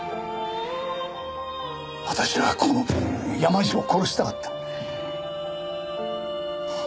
私はこの手で山路を殺したかった。